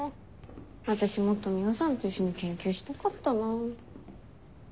私もっと海音さんと一緒に研究したかったなぁ。